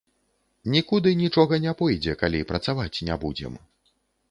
Нікуды нічога не пойдзе, калі працаваць не будзем.